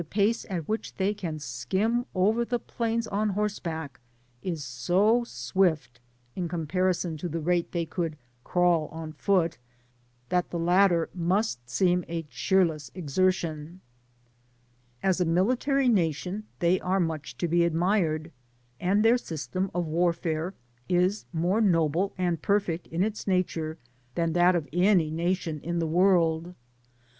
* 116 pace at whiqh they ^m skim oyer the plains qn horseback i$ so swift, in comparison to the rate they could crawl on foot, that the letter must seism a cheerless exertion, Am a military natbn they are much to ba admired, and their system of warfare is more^ noWp and perfect in its nature than that of any nation iilL the world.